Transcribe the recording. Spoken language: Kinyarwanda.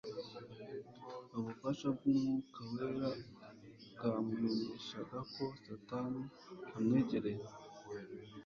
Ubufasha bw'Umwuka wera bwamumenyeshaga ko Satani amwegereye